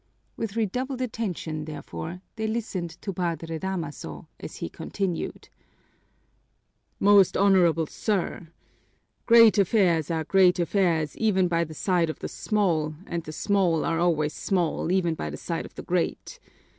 With redoubled attention, therefore, they listened to Padre Damaso, as he continued: "Most honorable sir" Great affairs are great affairs even by the side of the small and the small are always small even by the side of the great.